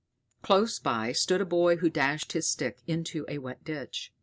Close by stood a boy who dashed his stick into a wet ditch.